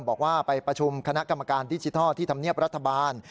บอกว่าไปประชุมคณะกรรมการดิจิทัลที่ธรรมเนียบรัฐบาล